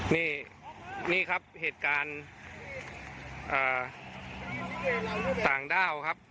นี่นี่ครับเหตุการณ์ต่างด้าวครับ